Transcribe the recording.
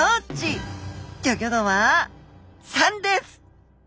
ギョギョ度は３です！